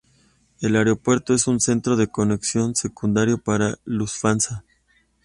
El aeropuerto es un centro de conexión secundario para Lufthansa.